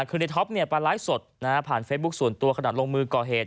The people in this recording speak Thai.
คือในท็อปมาไลฟ์สดผ่านเฟซบุ๊คส่วนตัวขนาดลงมือก่อเหตุ